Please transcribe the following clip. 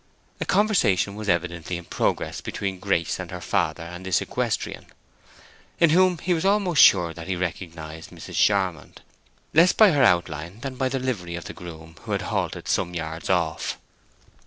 A conversation was evidently in progress between Grace and her father and this equestrian, in whom he was almost sure that he recognized Mrs. Charmond, less by her outline than by the livery of the groom who had halted some yards off.